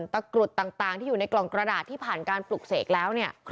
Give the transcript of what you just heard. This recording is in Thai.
กรุดต่างที่อยู่ในกล่องกระดาษที่ผ่านการปลุกเสกแล้วเนี่ย